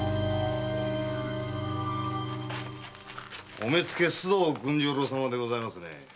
お目付・須藤軍十郎様でございますね？